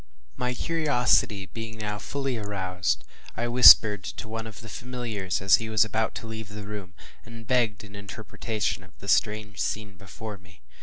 My curiosity being now fully aroused, I whispered to one of the familiars, as he was about to leave the room, and begged an interpretation of the strange scene before me.